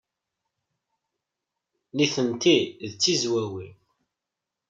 Nitenti d Tizwawin.